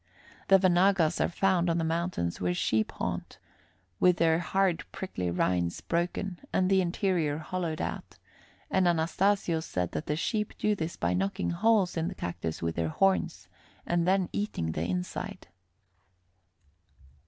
The venagas are found on the mountains where sheep haunt, with their hard prickly rinds broken and the interior hollowed out, and Anastasio said that the sheep do this by knocking holes in the cactus with their horns and then eating the inside.